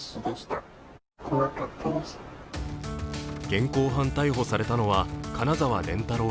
現行犯逮捕されたのは金澤蓮太郎